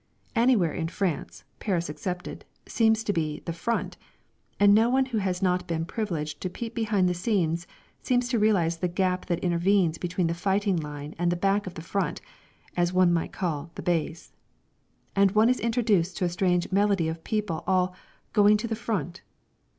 Anywhere in France Paris excepted seems to be "the Front," and no one who has not been privileged to peep behind the scenes seems to realise the gap that intervenes between the fighting line and the back of the Front, as one might call the Base. And one is introduced to a strange medley of people, all "going to the Front."